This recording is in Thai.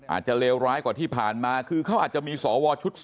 อาจจะเลวร้ายกว่าที่ผ่านมาคือเขาอาจจะมีสวชุด๒